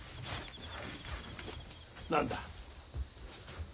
何だ？